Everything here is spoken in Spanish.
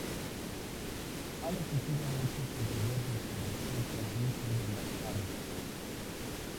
Han existido muchas controversias con respecto al origen de las aves.